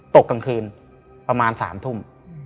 ตกกลางคืนประมาณ๓ทุ่ม